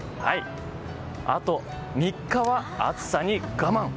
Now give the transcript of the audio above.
あと３日は暑さに我慢。